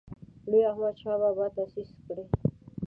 لوی احمدشاه بابا تاسیس کړی.